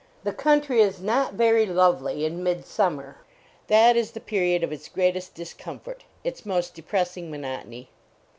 The country is not very lovely in midsummer. That is the period of its great est discomfort; its most depressing monot ony.